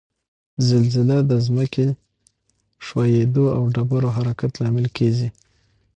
زلزله د ځمک ښویدو او ډبرو حرکت لامل کیږي